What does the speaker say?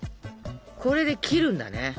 これで切るんだね。